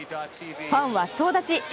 ファンは総立ち。